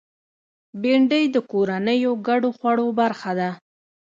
بېنډۍ د کورنیو ګډو خوړو برخه ده